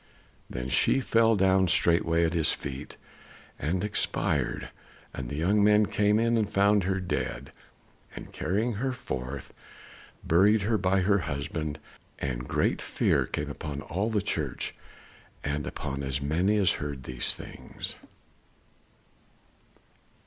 Then fell she down straightway at his feet and expired, and the young men came in and found her dead, and carrying her forth, buried her by her husband. And great fear came upon all the church, and upon as many as heard these things.